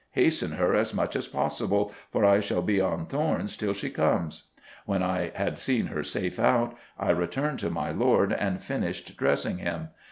Hasten her as much as possible, for I shall be on thorns till she comes.'... When I had seen her safe out I returned to my lord and finished dressing him.